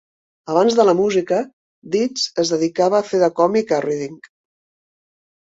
Abans de la música, Didz es dedicava a fer de còmic a Reading.